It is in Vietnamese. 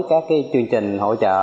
các chương trình hỗ trợ